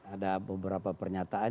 ada beberapa pernyataan